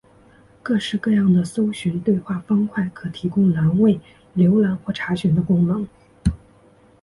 各式各样的搜寻对话方块可提供栏位浏览或查询的功能。